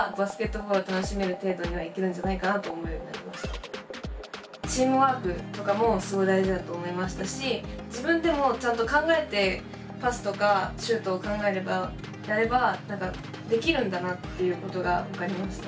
何か動画を見てチームワークとかもすごい大事だと思いましたし自分でもちゃんと考えてパスとかシュートを考えればやればできるんだなっていうことが分かりました。